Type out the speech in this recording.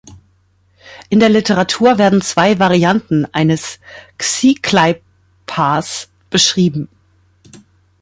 In der Literatur werden zwei Varianten eines Sziklai-Paars beschrieben.